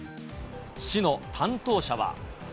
市の担当者は。